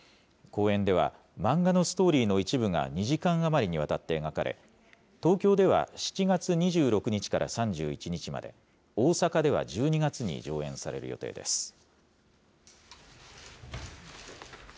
公演では、漫画のストーリーの一部が２時間余りにわたって描かれ、東京では７月２６日から３１日まで、大阪では１２月に上演される予定です。